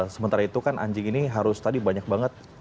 sementara itu kan anjing ini harus tadi banyak banget